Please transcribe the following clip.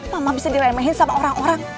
mama bisa diremehin sama orang orang